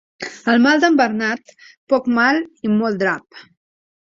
El mal d'en Bernat, poc mal i molt drap.